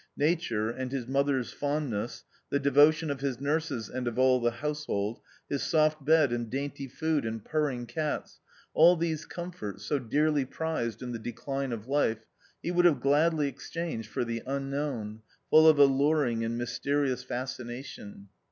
Nature, and his mother's fondness, the devotion of his nurses and of all the household, his soft bed, and dainty food and purring cats — all these comforts, so dearly prized in the decline of life, he would have gladly exchanged for i the unknown, full of alluring and mysterious fascination.